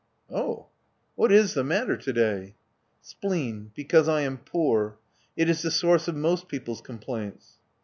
" Oh ! What is the matter to day?' ' Spleen — because I am poor. It is the source of most people's complaints."